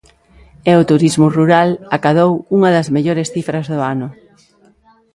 E o turismo rural acadou unha das mellores cifras do ano.